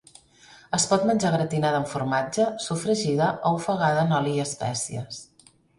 Es pot menjar gratinada amb formatge, sofregida o ofegada en oli i espècies.